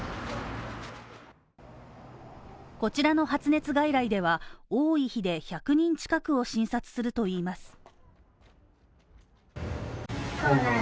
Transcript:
こちらの発熱外来では、多い日で１００人近くを診察するといいます。